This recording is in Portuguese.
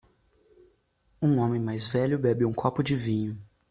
Um homem mais velho bebe de um copo de vinho.